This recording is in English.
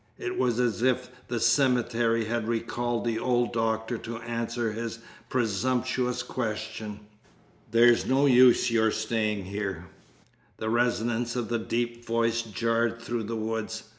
It was as if the cemetery had recalled the old doctor to answer his presumptuous question. "There's no use your staying here." The resonance of the deep voice jarred through the woods.